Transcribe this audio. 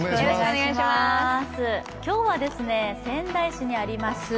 今日は仙台市にあります